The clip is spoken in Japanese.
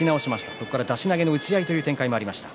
それから出し投げの打ち合いもありました。